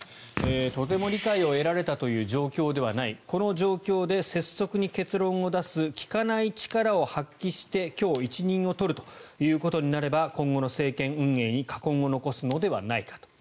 とても理解を得られたという状況ではないこの状況で拙速に結論を出す聞かない力を発揮して今日、一任を取るということになれば今後の政権運営に禍根を残すのではないかと。